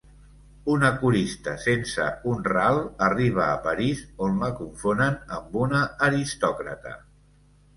Una corista sense un ral arriba a París on la confonen amb una aristòcrata.